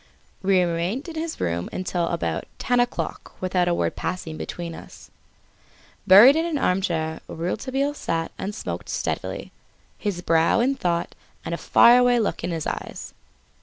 We remained in his room until about ten o'clock without a word passing between us. Buried in an armchair Rouletabille sat and smoked steadily, his brow in thought and a far away look in his eyes.